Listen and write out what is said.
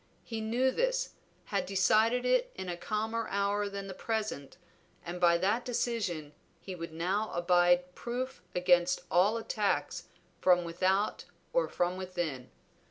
He knew this; had decided it in a calmer hour than the present, and by that decision he would now abide proof against all attacks from without or from within.